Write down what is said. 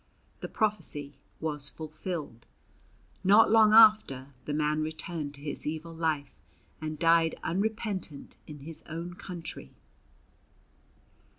The prophecy was fulfilled. Not long after, the man returned to his evil life, and died unrepentant in his own country.